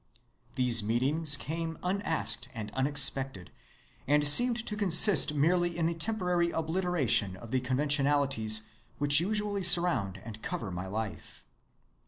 These meetings came unasked and unexpected, and seemed to consist merely in the temporary obliteration of the conventionalities which usually surround and cover my life....